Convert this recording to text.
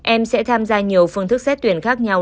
em sẽ tham gia nhiều phương thức xét tuyển khác nhau